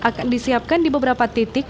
akan disiapkan di beberapa titik